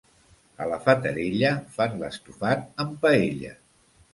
A la Fatarella, fan l'estofat amb paella.